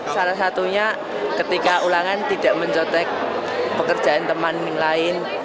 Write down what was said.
salah satunya ketika ulangan tidak mencotek pekerjaan teman lain